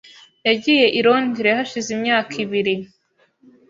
Yagiye i Londres hashize imyaka ibiri .